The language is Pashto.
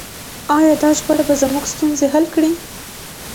آیا دا ژباړه به زموږ ستونزې حل کړي؟